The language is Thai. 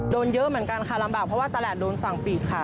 โดนเยอะเหมือนกันค่ะลำบากเพราะว่าตลาดโดนสั่งปิดค่ะ